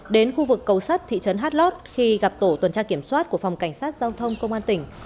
đến khu vực cầu sắt thị trấn hát lót khi gặp tổ tuần tra kiểm soát của phòng cảnh sát giao thông công an tỉnh